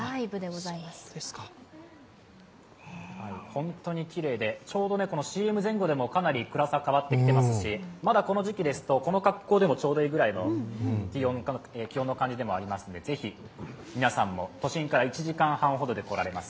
ほんとにきれいで、ＣＭ前後でも暗さが変わってきていますし、まだこの時期ですと、この格好でもちょうどいいくらいの気温ですのでぜひ皆さんも都心から１時間半ほどで来られます